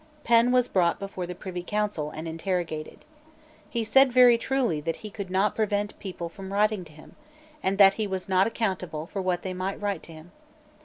Penn was brought before the Privy Council, and interrogated. He said very truly that he could not prevent people from writing to him, and that he was not accountable for what they might write to him.